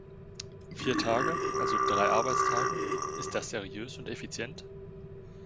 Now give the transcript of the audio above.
Vier Tage, also drei Arbeitstage, ist das seriös und effizient?